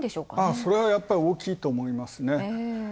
それは、やっぱり大きいと思いますね。